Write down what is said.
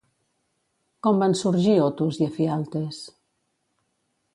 Com van sorgir Otos i Efialtes?